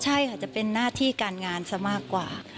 ใช่ค่ะจะเป็นหน้าที่การงานซะมากกว่า